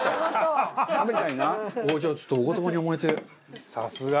じゃあちょっとお言葉に甘えて。